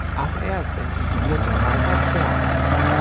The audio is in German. Auch er ist ein isolierter Weißer Zwerg.